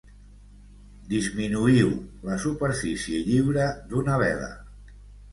Disminuïu la superfície lliure d'una vela.